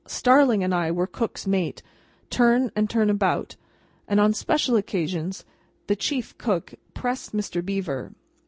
Starling and I were Cook's Mate, turn and turn about, and on special occasions the chief cook "pressed" Mr. Beaver.